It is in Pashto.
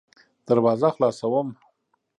دروازه خلاصوم .